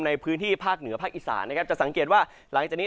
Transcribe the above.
ในพื้นที่ภาคเหนือภาคอีสานนะครับจะสังเกตว่าหลังจากนี้